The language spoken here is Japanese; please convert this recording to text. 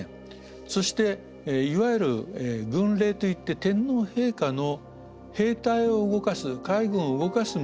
そしていわゆる軍令といって天皇陛下の兵隊を動かす海軍を動かす命令